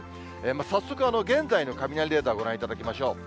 早速、現在の雷レーダーをご覧いただきましょう。